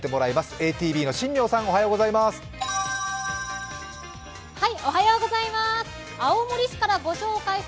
ＡＴＶの新名さんおはようございます。